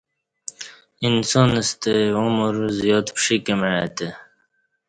انسان ستہ عمر زیات پشیک مع ا تہ